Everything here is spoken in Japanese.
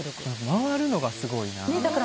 回るのがすごいな。